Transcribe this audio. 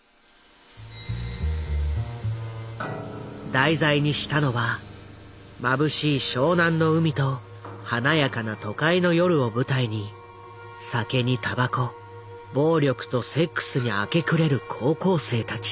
題材にしたのはまぶしい湘南の海と華やかな都会の夜を舞台に酒にたばこ暴力とセックスに明け暮れる高校生たち。